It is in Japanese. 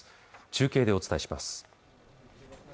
中継でお伝えします